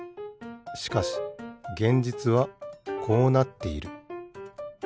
しかし現実はこうなっている。